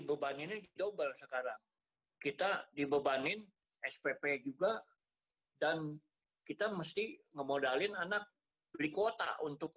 beban ini double sekarang kita di bebanin spp juga dan kita mesti ngemodalin anak beli kuota untuk